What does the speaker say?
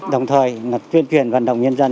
đồng thời là tuyên truyền vận động nhân dân